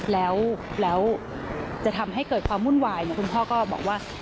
แล้วจะทำให้เกิดความวุ่นวายคุณพ่อก็บอกว่า